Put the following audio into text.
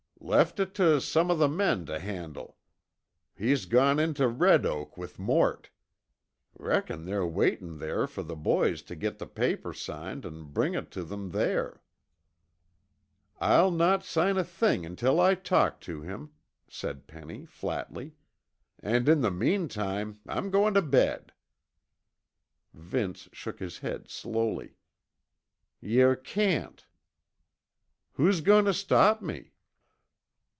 "Left it tuh some o' the men tuh handle. He's gone in tuh Red Oak with Mort. Reckon they're waitin' there fer the boys tuh git the paper signed an' bring it tuh them there." "I'll not sign a thing until I talk to him," said Penny flatly, "and in the meantime, I'm going to bed." Vince shook his head slowly. "Yuh can't." "Who's going to stop me?"